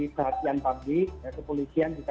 perhatian publik kepolisian juga